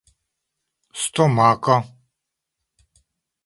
stomako